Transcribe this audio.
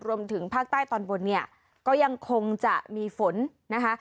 รวมถึงภาคใต้ตอนบนเนี่ยก็ยังคงจะมีฝนนะคะ